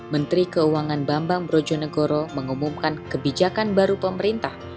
menteri keuangan bambang brojonegoro mengumumkan kebijakan baru pemerintah